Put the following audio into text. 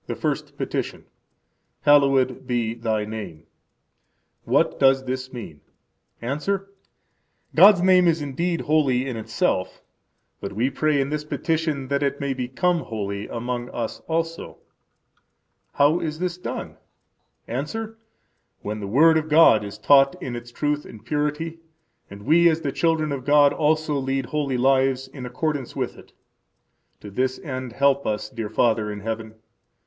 The First Petition. Hallowed be Thy name. What does this mean? –Answer: God's name is indeed holy in itself; but we pray in this petition that it may become holy among us also. How is this done? –Answer: When the Word of God is taught in its truth and purity, and we as the children of God also lead holy lives in accordance with it. To this end help us, dear Father in heaven.